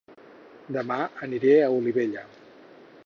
Dema aniré a Olivella